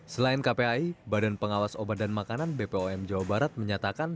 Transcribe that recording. selain kpai badan pengawas obat dan makanan bpom jawa barat menyatakan